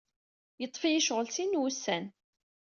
Yeḍḍef-iyi ccɣel sin wussan.